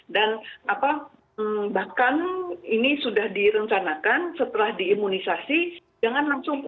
dan bahkan ini sudah direncanakan setelah diimunisasi jangan langsung duduk